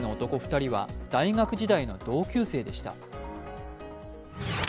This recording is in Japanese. ２人は大学時代の同級生でした。